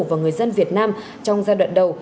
và người dân việt nam trong giai đoạn đầu